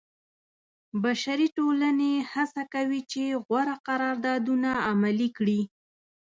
بشري ټولنې هڅه کوي چې غوره قراردادونه عملي کړي.